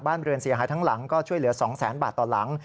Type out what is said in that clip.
เรือนเสียหายทั้งหลังก็ช่วยเหลือ๒แสนบาทต่อหลัง